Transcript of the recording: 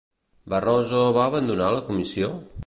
Barroso va abandonar la comissió?